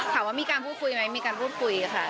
ถามว่ามีการพูดคุยไหมมีการพูดคุยค่ะ